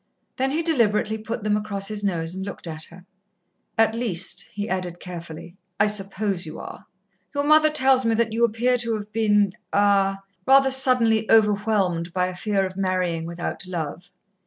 Then he deliberately put them across his nose and looked at her. "At least," he added carefully, "I suppose you are. Your mother tells me that you appear to have been er rather suddenly overwhelmed by a fear of marrying without love.